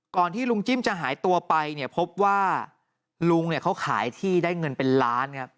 ที่ลุงจิ้มจะหายตัวไปเนี่ยพบว่าลุงเนี่ยเขาขายที่ได้เงินเป็นล้านครับ